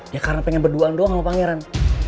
ya karena pengen berduaan doang sama pangeran